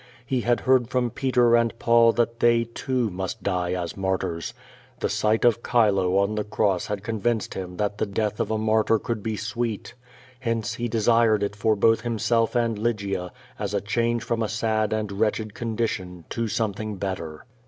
He had heard from Peter and Paul that they, too, must die as martyrs. The sight of Chilo on the cross had convinced him that the death of a martyr could be sweet. Hence, he desired it for both himself and Lygia, as a change from a sad and wretched condition to something better.